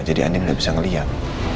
jadi andin gak bisa ngeliat